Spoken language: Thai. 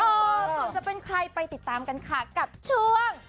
ส่วนจะเป็นใครไปติดตามกันค่ะกับช่วง